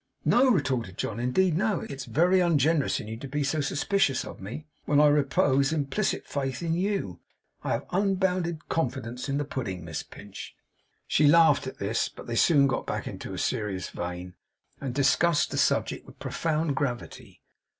'No,' retorted John. 'Indeed, no. It is very ungenerous in you to be so suspicious of me when I repose implicit faith in you. I have unbounded confidence in the pudding, Miss Pinch.' She laughed at this, but they soon got back into a serious vein, and discussed the subject with profound gravity.